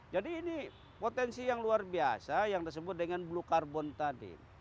jadi ini potensi yang luar biasa yang disebut dengan blue carbon tadi